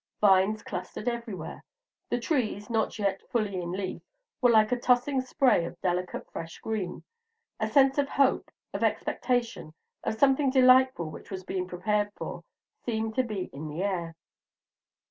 Vines clustered everywhere; the trees, not yet fully in leaf, were like a tossing spray of delicate fresh green: a sense of hope, of expectation, of something delightful which was being prepared for, seemed to be in the air.